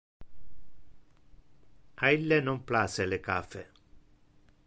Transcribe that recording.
A ille non place le caffe.